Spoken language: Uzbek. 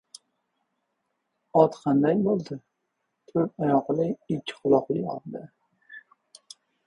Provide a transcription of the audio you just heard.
— Ot qanday bo‘ladi? To‘rt oyoqli, ikki quloqli ot-da.